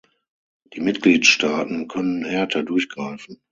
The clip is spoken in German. Die Mitgliedstaaten können härter durchgreifen.